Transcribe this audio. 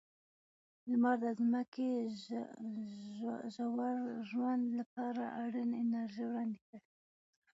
لمر د ځمکې د ژور ژوند لپاره اړینه انرژي وړاندې کوي.